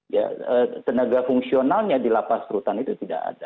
ya tenaga fungsionalnya di lapas rutan itu tidak ada